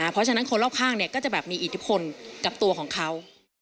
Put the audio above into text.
เพราะฉะนั้นคนรอบข้างก็จะแบบมีอิทธิพลกับตัวของเขา